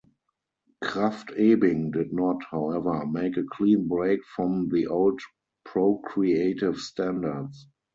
Krafft-Ebing did not, however, make a clean break from the old procreative standards.